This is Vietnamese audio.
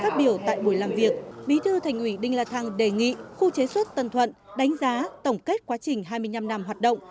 phát biểu tại buổi làm việc bí thư thành ủy đinh la thăng đề nghị khu chế xuất tân thuận đánh giá tổng kết quá trình hai mươi năm năm hoạt động